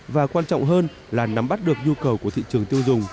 và quan trọng hơn là nắm bắt được nhu cầu của thị trường tiêu dùng